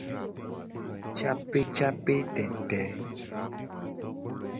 Capecapetete.